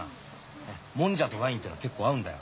もんじゃとワインってのは結構合うんだよ。